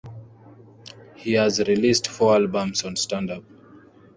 He has released four albums on Stand Up!